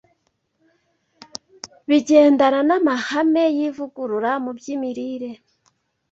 bigendana n’amahame y’ivugurura mu by’imirire